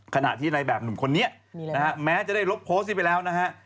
ขณะที่ในแบบหนุ่มคนนี้นะฮะแม้จะได้ลบโพสต์นี้ไปแล้วนะฮะ